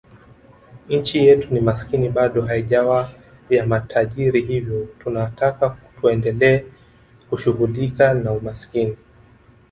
Nchi yetu ni maskini bado haijawa ya matajiri hivyo tunataka tuendelee kushughulika na umaskini